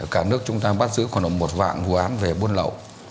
cả nước chúng ta bắt giữ khoảng một vạn vụ án về buôn lậu